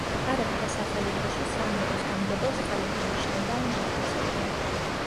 არაბთა სახალიფოში საამიროს გამგებელს ხალიფა ნიშნავდა ან ამტკიცებდა.